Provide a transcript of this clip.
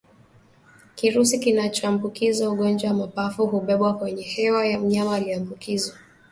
Kirusi kinachoambukiza ugonjwa wa mapafu hubebwa kwenye hewa ya mnyama aliyeambukizwa